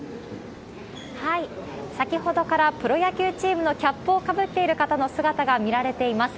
先ほどから、プロ野球チームのキャップをかぶっている方の姿が見られています。